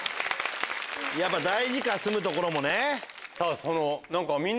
やっぱ大事か住む所もね。